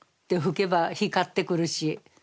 で拭けば光ってくるし。